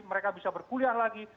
mereka bisa berkuliah lagi